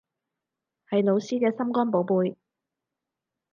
係老師嘅心肝寶貝